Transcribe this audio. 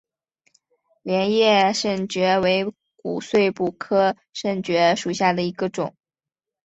镰叶肾蕨为骨碎补科肾蕨属下的一个种。